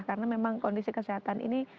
karena memang kondisi kesehatan ini